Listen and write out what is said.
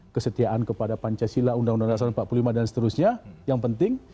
kesetiaan kepada pancasila undang undang dasar empat puluh lima dan seterusnya yang penting